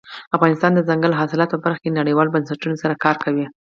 افغانستان د دځنګل حاصلات په برخه کې نړیوالو بنسټونو سره کار کوي.